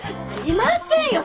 いませんよ